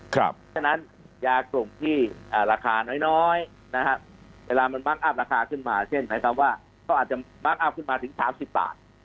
เขาอาจจะมาร์คอัพขึ้นมาถึง๕๐บาท